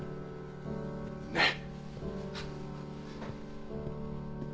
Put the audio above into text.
ねっ。